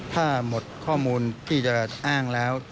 ถ้าหมดข้อมูลที่จะอ้างแล้ว